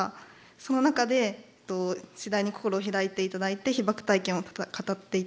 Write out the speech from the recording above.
その中で次第に心を開いていただいて被爆体験を語っていただきました。